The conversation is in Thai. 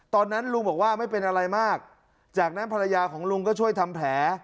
ตอนนั้นลุงบอกว่าไม่เป็นอะไรมากจากนั้นภรรยาของลุงก็ช่วยทำแผล